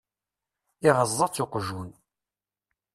Iɣeẓẓa-tt uqjun.